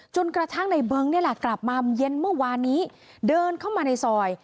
กระทั่งในเบิ้งนี่แหละกลับมาเย็นเมื่อวานนี้เดินเข้ามาในซอย